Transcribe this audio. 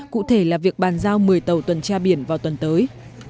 cụ thể là việc bàn giao một mươi tàu tuần tra biển vào tuần tới